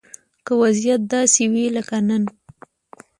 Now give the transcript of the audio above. که وضيعت داسې وي لکه نن